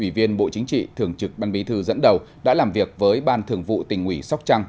ủy viên bộ chính trị thường trực ban bí thư dẫn đầu đã làm việc với ban thường vụ tỉnh ủy sóc trăng